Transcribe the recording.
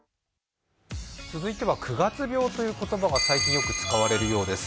続いては９月病という言葉が最近よく使われるようです。